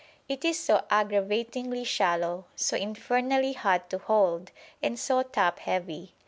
It is so aggravatingly shallow, so infernally hot to hold, and so top heavy.